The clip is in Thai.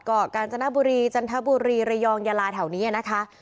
กาญจนบุรีจันทบุรีระยองยาลาแถวนี้นะคะ